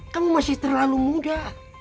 kamu masih terlalu muda